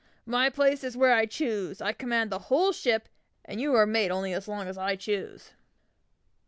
"My place is where I choose! I command the whole ship; and you are mate only so long as I choose!"